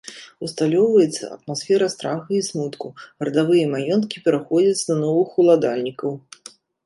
Усталёўваецца атмасфера страха і смутку, радавыя маёнткі пераходзяць да новых уладальнікаў.